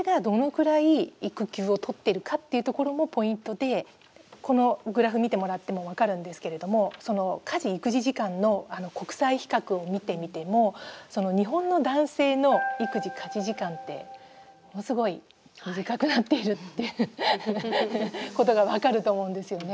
でもちろんこのグラフ見てもらっても分かるんですけれども家事・育児時間の国際比較を見てみても日本の男性の育児・家事時間ってものすごい短くなっているっていうことが分かると思うんですよね。